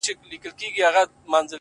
• ونه یم د پاڼ پر سر کږه یمه نړېږمه ,